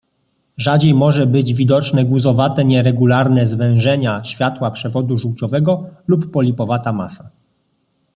Rzadziej może być widoczne guzowate, nieregularne zwężenia światła przewodu żółciowego lub polipowata masa.